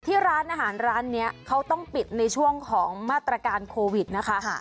ที่ร้านอาหารร้านนี้เขาต้องปิดในช่วงของมาตรการโควิดนะคะ